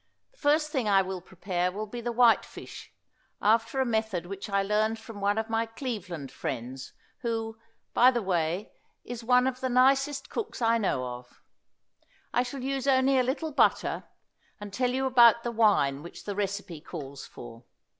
The first thing I prepare will be the whitefish, after a method which I learned from one of my Cleveland friends, who, by the way, is one of the nicest cooks I know of. I shall use only a little butter, and tell you about the wine which the recipe calls for.